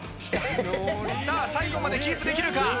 さあ最後までキープできるか？